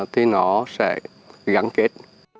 thì nó sẽ gắn kết